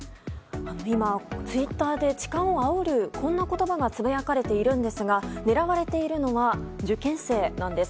今、ツイッターで痴漢をあおるこんな言葉がつぶやかれているんですが狙われているのは受験生なんです。